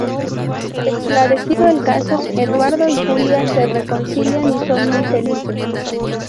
Esclarecido el caso, Eduardo y Julia se reconcilian y son muy felices.